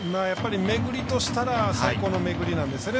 巡りとしたら最高の巡りなんですよね。